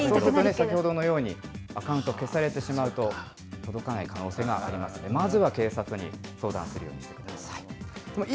先ほどのように、アカウント消されてしまうと、届かない可能性もありますので、まずは警察に相談するようにしてください。